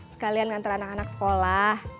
sekalian nganter anak anak sekolah